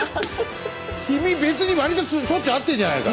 君別に割としょっちゅう会ってるじゃないか。